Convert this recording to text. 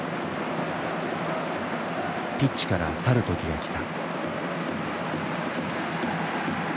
ピッチから去る時が来た。